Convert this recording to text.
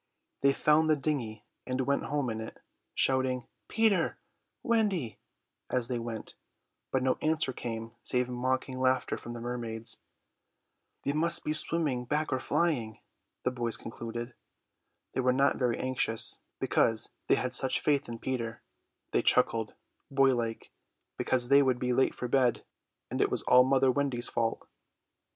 They found the dinghy and went home in it, shouting "Peter, Wendy" as they went, but no answer came save mocking laughter from the mermaids. "They must be swimming back or flying," the boys concluded. They were not very anxious, because they had such faith in Peter. They chuckled, boylike, because they would be late for bed; and it was all mother Wendy's fault!